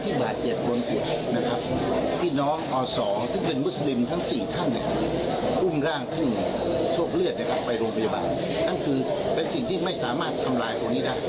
ก็อย่าไปหลงกลุ่มอุบายของตัวนี้นางเจ้าพี่อังรัฐจะให้ความมั่นใจนะครับ